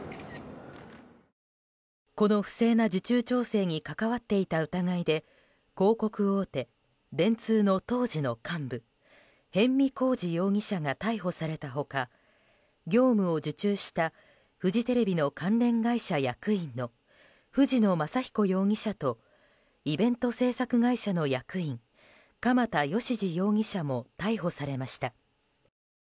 この不正な受注調整に関わっていた疑いで広告大手電通の当時の幹部逸見晃治容疑者が逮捕された他業務を受注したフジテレビの関連会社役員の藤野昌彦容疑者とイベント制作会社の役員鎌田義次容疑者も逮捕されました。